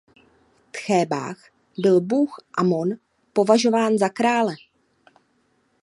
V Thébách byl Bůh Amon považován za krále.